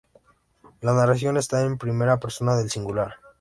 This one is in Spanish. La narración está en primera persona del singular.